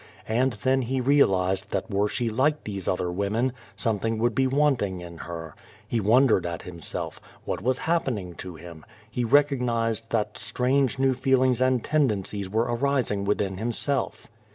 And then he reahzed tliat were she like these otlier women, something would be wanting in her. He wondered at himself. What was happening to him? He recognized that strange, new feelings and tendencies were arising within himself.